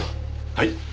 はい。